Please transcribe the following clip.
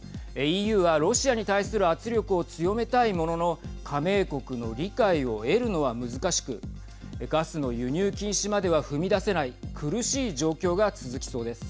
ＥＵは、ロシアに対する圧力を強めたいものの加盟国の理解を得るのは難しくガスの輸入禁止までは踏み出せない苦しい状況が続きそうです。